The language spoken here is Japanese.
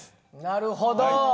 なるほど。